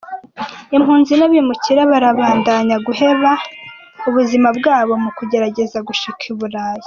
Impunzi n’abimukira barabandanya guheba ubuzima bwabo mu kugerageza gushika I Buraya.